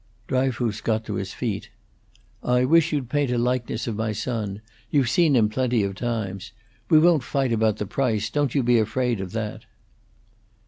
Dryfoos got to his feet. "I wish you'd paint a likeness of my son. You've seen him plenty of times. We won't fight about the price, don't you be afraid of that."